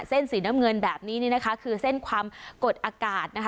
เส้นสีน้ำเงินแบบนี้นี่นะคะคือเส้นความกดอากาศนะคะ